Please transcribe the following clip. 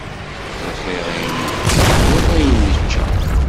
Ixir ayen nefka, wala ayen nečča.